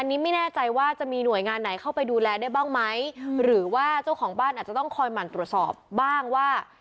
อันนี้ไม่แน่ใจว่าจะมีหน่วยงานไหนเข้าไปดูแลได้บ้างไหมหรือว่าเจ้าของบ้านอาจจะต้องคอยหมั่นตรวจสอบบ้างว่า